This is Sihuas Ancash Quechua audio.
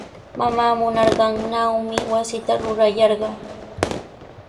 Mamaa munanqannawmi wasita rurayarqaa.